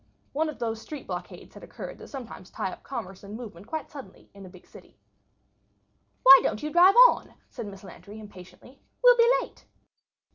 One of those street blockades had occurred that sometimes tie up commerce and movement quite suddenly in the big city. "Why don't you drive on?" said Miss Lantry, impatiently. "We'll be late."